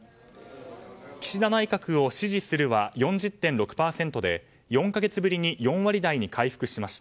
「岸田内閣を支持する」は４０．６％で４か月ぶりに４割台に回復しました。